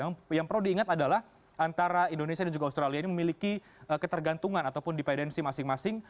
yang perlu diingat adalah antara indonesia dan juga australia ini memiliki ketergantungan ataupun dipedensi masing masing